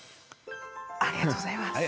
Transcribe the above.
ありがとうございます。